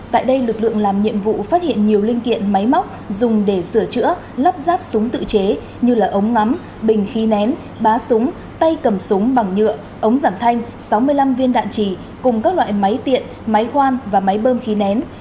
tại đây lực lượng làm nhiệm vụ phát hiện nhiều linh kiện máy móc dùng để sửa chữa lắp ráp súng tự chế như là ống ngắm bình khí nén bá súng tay cầm súng bằng nhựa ống giảm thanh sáu mươi năm viên đạn trì cùng các loại máy tiện máy khoan và máy bơm khí nén